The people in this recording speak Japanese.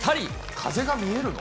風が見えるの？